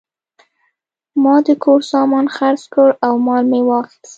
ما د کور سامان خرڅ کړ او مال مې واخیست.